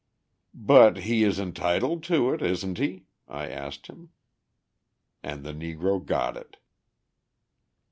"'But he is entitled to it, isn't he?' I asked him and the Negro got it.